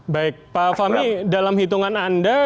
baik pak fahmi dalam hitungan anda